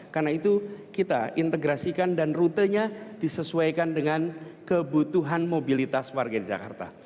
karena itu kita integrasikan dan rutenya disesuaikan dengan kebutuhan mobilitas warga di jakarta